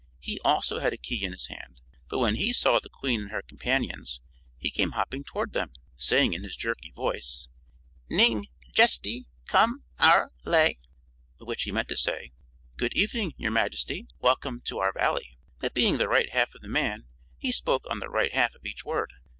He also had a key in his hand, but when he saw the Queen and her companions he came hopping toward them, saying in his jerky voice " Ning, jesty! Come our ley." By which he meant to say: "Good evening, your Majesty! Welcome to our Valley." But being the right half of the man he spoke on the right half of each word.